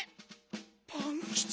パンキチ。